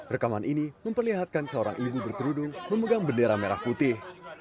rekaman ini memperlihatkan seorang ibu berkerudung memegang bendera merah putih